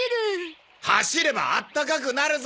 走ればあったかくなるぞ！